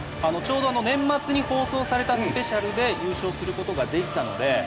ちょうど年末に放送されたスペシャルで優勝する事ができたので。